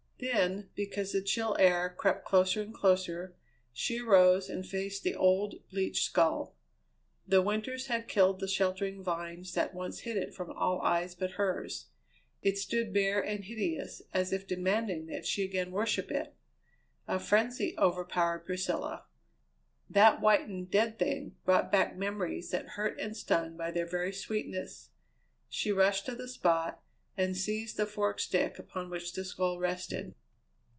Then, because the chill air crept closer and closer, she arose and faced the old, bleached skull. The winters had killed the sheltering vines that once hid it from all eyes but hers. It stood bare and hideous, as if demanding that she again worship it. A frenzy overpowered Priscilla. That whitened, dead thing brought back memories that hurt and stung by their very sweetness. She rushed to the spot and seized the forked stick upon which the skull rested.